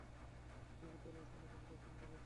জীবিত লাশ অন্যজনকে খুন করেছে।